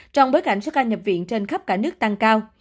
trong bối cảnh số ca nhập viện trên khắp cả nước tăng cao